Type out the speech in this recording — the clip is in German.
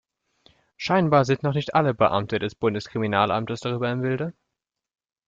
Scheinbar sind noch nicht alle Beamte des Bundeskriminalamtes darüber im Bilde.